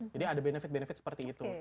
jadi ada benefit benefit seperti itu